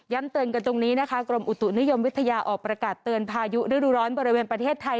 เตือนกันตรงนี้นะคะกรมอุตุนิยมวิทยาออกประกาศเตือนพายุฤดูร้อนบริเวณประเทศไทย